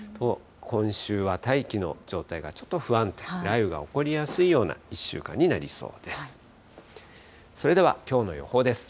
今週は大気の状態がちょっと不安定、雷雨が起こりやすいような１週間になりそうです。